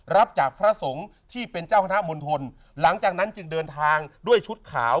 รับจากพระสงฆ์ที่เป็นเจ้าคณะมณฑลหลังจากนั้นจึงเดินทางด้วยชุดขาว